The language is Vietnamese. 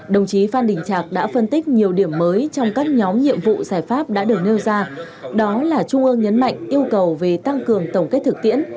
đồng chí phan đình trạc đã phân tích nhiều điểm mới trong các nhóm nhiệm vụ giải pháp đã được nêu ra đó là trung ương nhấn mạnh yêu cầu về tăng cường tổng kết thực tiễn